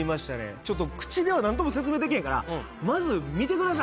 ちょっと口では何とも説明できへんからまず見てください